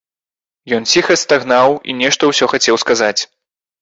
Ён ціха стагнаў і нешта ўсё хацеў сказаць.